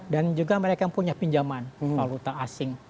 dan juga mereka yang punya pinjaman waluta asing